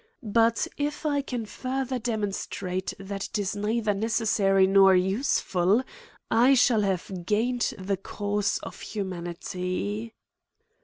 But if I can further demonstrate that it is neither necessary nor useful, I shall have gain ed the cause of humanity.